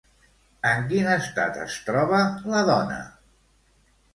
En quin estat es troba la dona?